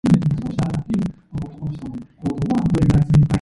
Carcieri vetoed the bill, but the legislature overrode Carcieri by a large margin.